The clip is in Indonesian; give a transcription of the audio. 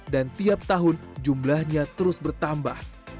dan tiap tahun jumlahnya terus bertambah